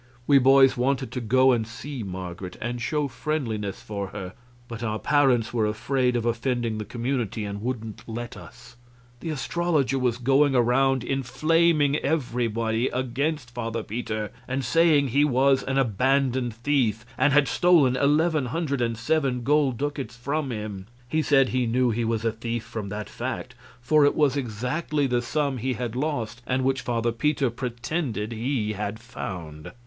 We boys wanted to go and see Marget and show friendliness for her, but our parents were afraid of offending the community and wouldn't let us. The astrologer was going around inflaming everybody against Father Peter, and saying he was an abandoned thief and had stolen eleven hundred and seven gold ducats from him. He said he knew he was a thief from that fact, for it was exactly the sum he had lost and which Father Peter pretended he had "found."